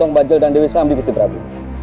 tiong bajil dan dewi sambi gusti prabu